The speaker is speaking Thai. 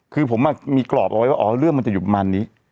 คือผมมีกรอบเอาไว้ว่าอ๋อเรื่องมันจะอยู่ประมาณนี้